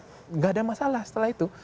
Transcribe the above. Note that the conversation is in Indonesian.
tidak ada masalah setelah itu